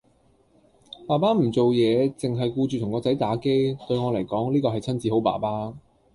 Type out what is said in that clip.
爸爸唔做嘢凈系顧住同個仔打機，對我嚟講呢個係親子好爸爸